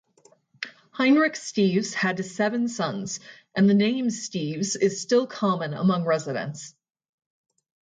Heinrich Steeves had seven sons and the name Steeves is still common among residents.